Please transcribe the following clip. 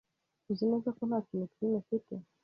Uzi neza ko nta kintu kinini ufite?